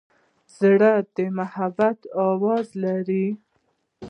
زړه د محبت آواز لري.